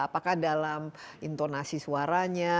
apakah dalam intonasi suaranya